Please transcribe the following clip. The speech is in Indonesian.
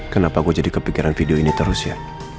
kenapa gue jadi kepikiran video ini terus ya